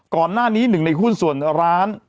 ก่อนหน้านี้หนึ่งในหุ้นส่วนร้าน